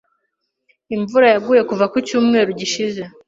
Imvura yaguye kuva ku cyumweru gishize.